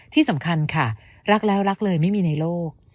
ที่สำคัญค่ะรักแล้วรักเลยไม่มีในโลก